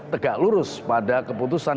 tegak lurus pada keputusan